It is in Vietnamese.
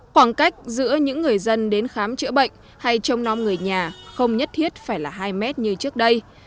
khoảng cách giữa những người dân đến khám chữa bệnh hay trong non người nhà không nhất thiết phải là hai mét như trước đây